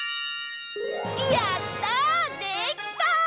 やったできた！